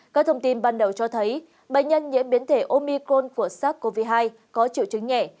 các thông tin ban đầu cho thấy bệnh nhân nhiễm biến thể omicon của sars cov hai có triệu chứng nhẹ